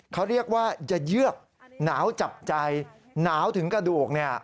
เขาเรียกว่าจะเยือกหนาวจับใจหนาวถึงกระดูกเนี่ย